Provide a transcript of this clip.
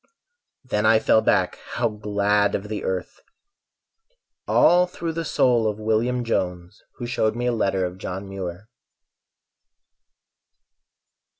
Then I fell back, how glad of the earth! All through the soul of William Jones Who showed me a letter of John Muir.